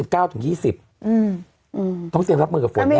เขาต้องเตรียมรับมือกับฝนแน่งอน